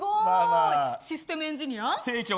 システムエンジニア。